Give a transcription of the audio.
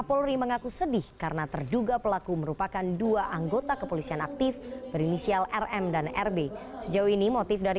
saya mengapresiasi pelaksanaan tugas dan kinerja dari tim teknis ini